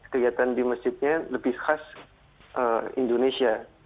kegiatan di masjidnya lebih khas indonesia